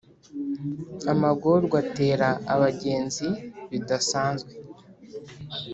amagorwa atera abagenzi bidasanzwe